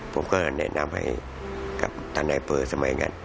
ผมก็แนะนำให้กับท่านนายเปอร์สมัยนั้น